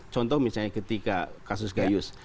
contoh misalnya ketika kasus gayus